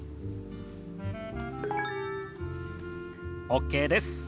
ＯＫです。